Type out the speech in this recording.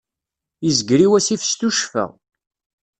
Izger i wassif s tuccfa.